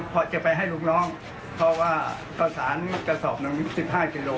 พอจะไปให้ลูกน้องเพราะว่าข้าวสารกระสอบ๑๕กิโล